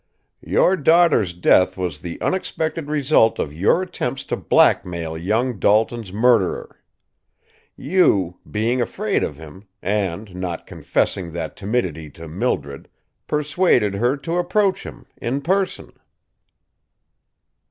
"Your daughter's death was the unexpected result of your attempts to blackmail young Dalton's murderer. You, being afraid of him, and not confessing that timidity to Mildred, persuaded her to approach him in person."